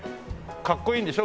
かっこいいんでしょ？